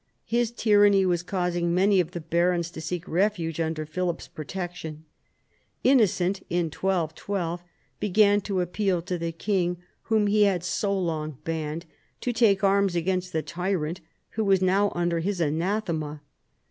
His tyranny was causing many of the barons to seek refuge under Philip's protection. Innocent in 1212 began to appeal to the king whom he had so long banned, to take arms against the tyrant who was now under his anathema.